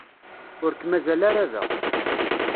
Ur k-mazal ara da.